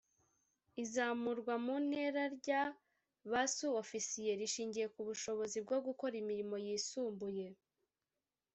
Izamurwa mu ntera rya ba Su-Ofisiye rishingira ku bushobozi bwo gukora imirimo yisumbuye